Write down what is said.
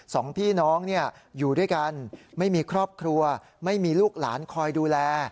สองพี่น้องอยู่ด้วยกันไม่มีครอบครัวไม่มีลูกหลานคอยดูแล